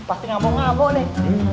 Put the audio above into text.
pasti ngamuk ngamuk deh